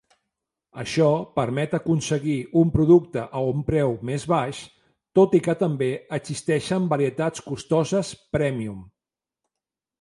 Això permet aconseguir un producte a un preu més baix, tot i que també existeixen varietats costoses "prèmium".